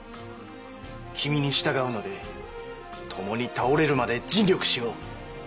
君に従うのでともに倒れるまで尽力しよう。